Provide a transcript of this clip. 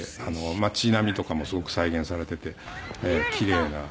町並みとかもすごく再現されていて奇麗な。